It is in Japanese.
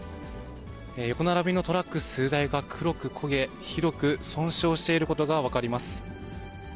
横並びのトラック数台が黒く焦げ、ひどく損傷していることが分かります。